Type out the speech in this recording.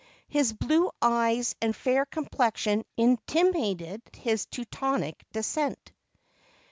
His blue eyes and fair com plexion intimated his Teutonic descent.